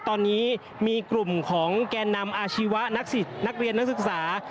ตอนนี้มีกลุ่มของแกนนำอาชีวะนักศิษย์นักเรียนนักศึกษา